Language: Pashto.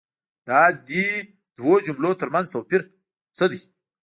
دا دي دوو جملو تر منځ څه توپیر دی؟